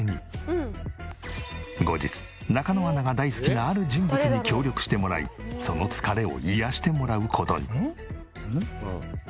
後日中野アナが大好きなある人物に協力してもらいその疲れを癒やしてもらう事に。